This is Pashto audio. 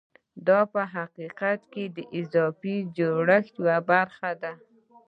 دا په حقیقت کې د اضافي ارزښت یوه برخه ده